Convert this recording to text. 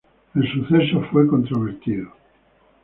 El evento fue controvertido.